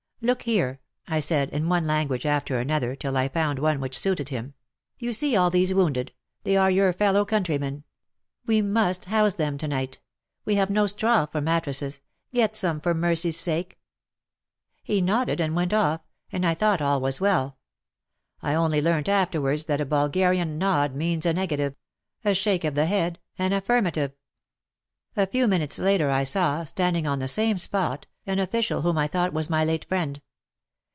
" Look here," I said, in one language after another till I found one which suited him, 120 WAR AND WOMEN "you see all these wounded — they are your fellow countrymen. We must house them to nicrht. We have no straw for mattresses. o Get some, for mercy's sake !" He nodded and went off, and I thought all was well. I only learnt afterwards that a Bulgarian nod means a negative — a shake of the head an affirmative ! A few minutes later I saw, standing on the same spot, an official whom I thought was my late friend.